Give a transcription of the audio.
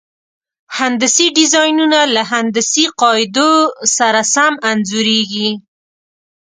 هندسي ډیزاینونه له هندسي قاعدو سره سم انځوریږي.